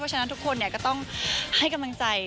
เพราะฉะนั้นทุกคนเนี่ยก็ต้องให้กำลังใจ